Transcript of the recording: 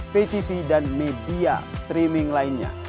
ptv dan media streaming lainnya